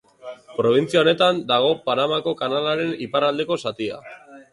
Probintzia honetan dago Panamako kanalaren iparraldeko zatia.